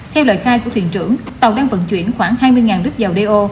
theo lời khai của thuyền trưởng tàu đang vận chuyển khoảng hai mươi đứt dầu do